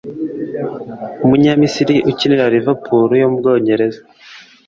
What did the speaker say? Umunyamisiri ukinira Liverpool yo mu Bwongereza